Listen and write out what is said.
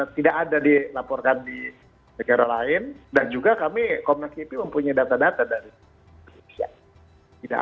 tidak ada dilaporkan di negara lain dan juga kami komnas kipi mempunyai data data dari indonesia